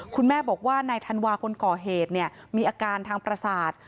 คุณแม่บอกว่านายธันวาคนก่อเหตุมีอาการทางประสาท